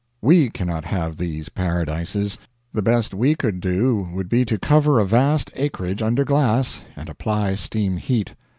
We cannot have these paradises. The best we could do would be to cover a vast acreage under glass and apply steam heat.